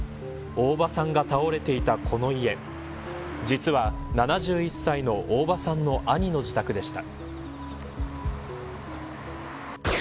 大場さんが倒れていた、この家実は７１歳の大場さんの兄の自宅でした。